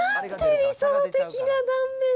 理想的な断面。